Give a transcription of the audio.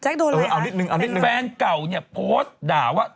เออนิดนึงแฟนเก่าสังผัสด่าว่า